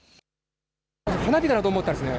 花火かなと思ったんですね。